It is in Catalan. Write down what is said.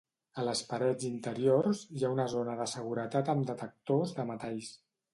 A les parets interiors hi ha una zona de seguretat amb detectors de metalls.